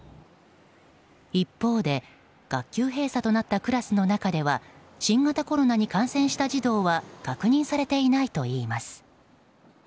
一方で学級閉鎖となったクラスの中では新型コロナに感染した児童は確認されていないといいます。